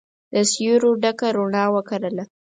د سیورو ډکه روڼا وکرله